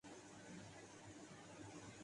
علمی مشاہدے ان کی حیاتیات میں پائے گئے